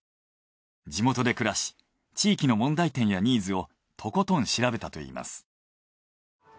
地元で暮らし地域の問題点やニーズをとことん調べたといいます。